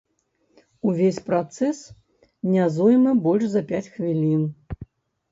Увесь працэс не зойме больш за пяць хвілін.